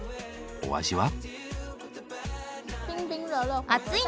お味は？